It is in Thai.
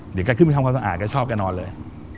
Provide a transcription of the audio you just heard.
เดี๋ยวแกขึ้นไปทำความสะอาดแกชอบแกนอนเลย